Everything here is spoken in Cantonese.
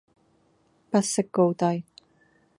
不識高低